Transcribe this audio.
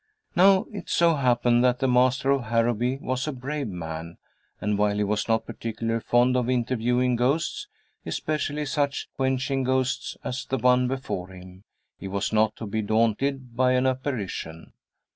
Now it so happened that the master of Harrowby was a brave man, and while he was not particularly fond of interviewing ghosts, especially such quenching ghosts as the one before him, he was not to be daunted by an apparition.